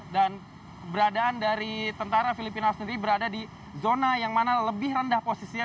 dan beradaan dari tentara filipina sendiri berada di zona yang mana lebih rendah posisinya